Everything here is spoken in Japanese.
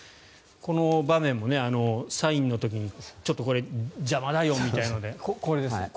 この場面も、サインの時にちょっと邪魔だよみたいなのでこれですね。